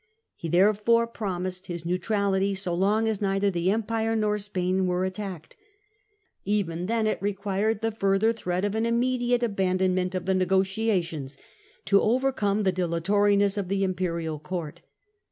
He therefore promised his neutrality, so long as neither the Empire nor Spain were attacked. Even then it required the further threat of an immediate abandonment of the negotiations to overcome the dila toriness of the imperial court.